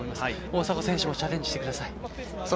大迫選手もチャレンジしてください。